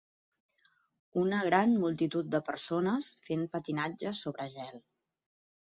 Una gran multitud de persones fent patinatge sobre gel.